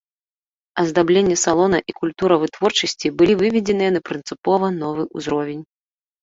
Аздабленне салона і культура вытворчасці былі выведзеныя на прынцыпова новы ўзровень.